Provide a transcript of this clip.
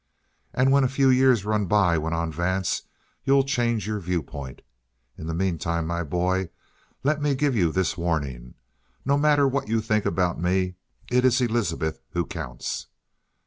"And when a few years run by," went on Vance, "you'll change your viewpoint. In the meantime, my boy, let me give you this warning. No matter what you think about me, it is Elizabeth who counts."